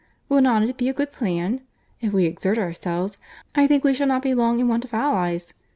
Will not it be a good plan? If we exert ourselves, I think we shall not be long in want of allies.